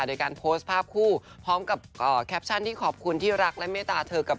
โดยการโพสต์ภาพคู่พร้อมกับแคปชั่นที่ขอบคุณที่รักและเมตตาเธอกับ